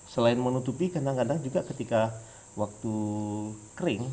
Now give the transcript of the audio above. selain menutupi kadang kadang juga ketika waktu kering